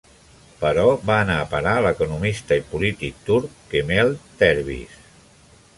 Però va anar a parar a l'economista i polític turc, Kemel Dervis.